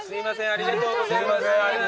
ありがとうございます。